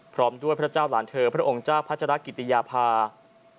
พร้อมด้วยพระเจ้าหลานเธอพระองค์เจ้าพัชรกิติยาภา